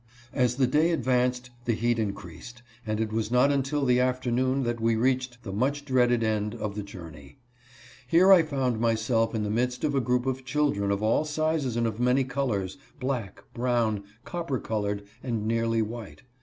As the day advanced the heat increased, and it was not until the afternoon that we reached the much dreaded end of the journey. Here I found myself in the midst of a group of children of all sizes and of many colors, — black, brown, copper colored, and nearly white.